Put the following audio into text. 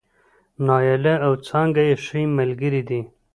نايله او څانګه ښې ملګرې دي